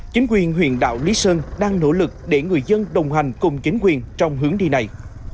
chính quyền huyện đảo lý sơn đang nỗ lực để người dân đồng hành cùng chính quyền trong hướng đi này